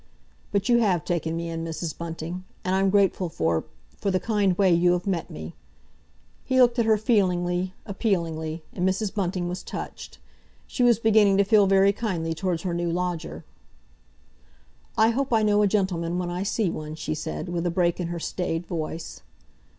But you have taken me in, Mrs. Bunting, and I'm grateful for—for the kind way you have met me—" He looked at her feelingly, appealingly, and Mrs. Bunting was touched. She was beginning to feel very kindly towards her new lodger. "I hope I know a gentleman when I see one," she said, with a break in her staid voice.